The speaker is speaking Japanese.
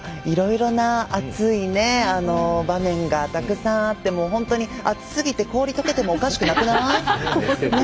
いろいろな熱い場面がたくさんあって、本当に熱すぎて氷、とけてもおかしくなくない？